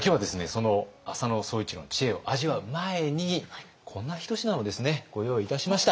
その浅野総一郎の知恵を味わう前にこんな一品をですねご用意いたしました。